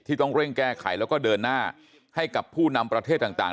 ต้องเร่งแก้ไขแล้วก็เดินหน้าให้กับผู้นำประเทศต่าง